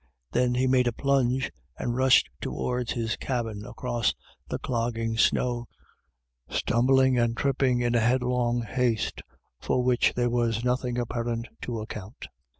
Then he made a plunge, and rushed towards his cabin across the clogging snow, stumbling and trip ping in a headlong haste, for which there was noth ing apparent to account.